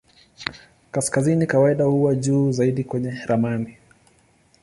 Kaskazini kawaida huwa juu zaidi kwenye ramani.